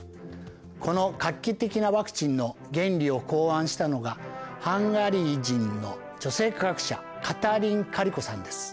この画期的なワクチンの原理を考案したのがハンガリー人の女性科学者カタリン・カリコさんです。